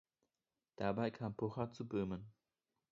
Dabei kam Pucher zu Böhmen.